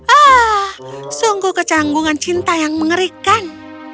ah sungguh kecanggungan cinta yang mengerikan